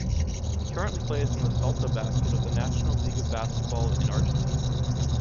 He currently plays in the Salta Basket of the National League of Basketball in Argentina.